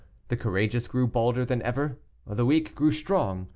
The courageous grew bolder than ever, and the weak grew strong.